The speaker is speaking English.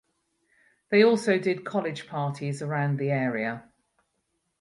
They also did college parties around the area.